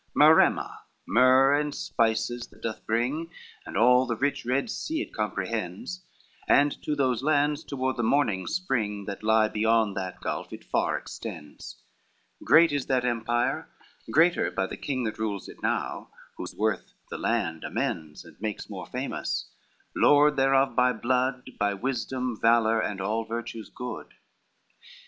VI Maremma, myrrh and spices that doth bring, And all the rich red sea it comprehends, And to those lands, toward the morning spring That lie beyond that gulf, it far extends; Great is that empire, greater by the king That rules it now, whose worth the land amends, And makes more famous, lord thereof by blood, By wisdom, valor, and all virtues good.